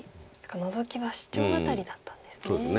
ノゾキはシチョウアタリだったんですね。